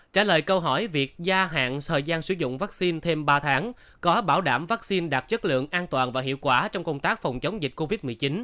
trả lời câu hỏi việc gia hạn thời gian sử dụng vaccine thêm ba tháng có bảo đảm vaccine đạt chất lượng an toàn và hiệu quả trong công tác phòng chống dịch covid một mươi chín